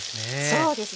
そうですね。